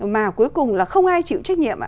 mà cuối cùng là không ai chịu trách nhiệm